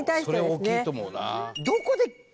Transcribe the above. それは大きいと思うな。